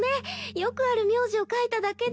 よくある名字を書いただけで。